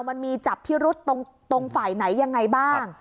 มันมีจับพิรุษตรงฝ่ายไหนยังไงบ้าง